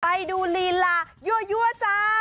ไปดูลีลายั่วจ้า